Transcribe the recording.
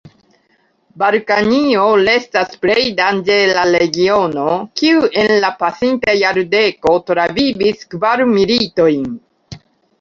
Balkanio restas plej danĝera regiono, kiu en la pasinta jardeko travivis kvar militojn.